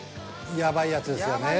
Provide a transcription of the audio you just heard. やばいやつですよね